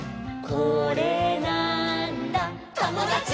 「これなーんだ『ともだち！』」